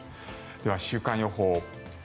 では、週間予報。